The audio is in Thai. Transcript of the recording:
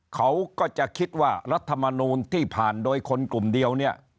เขาก็จะคิดว่ารัฐมนูลที่ผ่านโดยคนกลุ่มเดียวเนี่ย